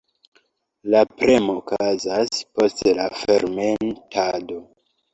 La premo okazas poste la fermentado.